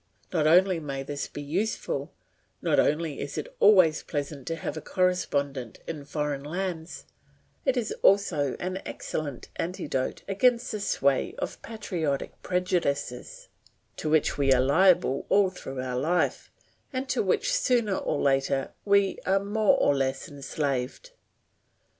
Not only may this be useful, not only is it always pleasant to have a correspondent in foreign lands, it is also an excellent antidote against the sway of patriotic prejudices, to which we are liable all through our life, and to which sooner or later we are more or less enslaved.